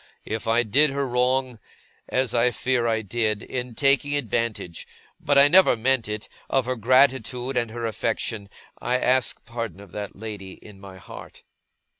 If I did her wrong; as I fear I did, in taking advantage (but I never meant it) of her gratitude and her affection; I ask pardon of that lady, in my heart!